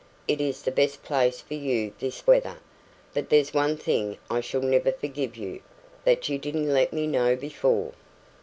It is the best place for you this weather. But there's one thing I shall never forgive you that you didn't let me know before."